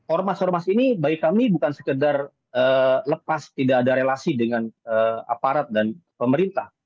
ormas ormas ini bagi kami bukan sekedar lepas tidak ada relasi dengan aparat dan pemerintah